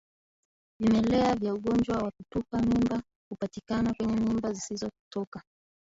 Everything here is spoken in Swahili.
Vimelea vya ugonjwa wa kutupa mimba hupatikana kwenye mimba zilizotoka